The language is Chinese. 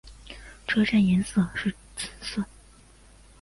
车站颜色是紫色。